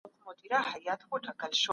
سياست د خلګو ژوند په مستقيم ډول اغېزمنوي.